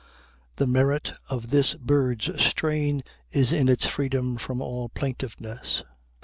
The merit of this bird's strain is in its freedom from all plaintiveness.